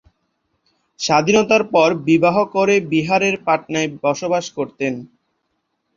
স্বাধীনতার পর বিবাহ করে বিহারের পাটনায় বসবাস করতেন।